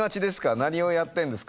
何をやってんですか？